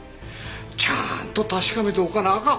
ちゃんと確かめておかなあかん。